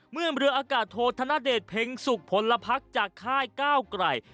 เมื่อเรืออากาศโทษธนเดชเพ็งสุขผลพักจากค่ายก้าวไกล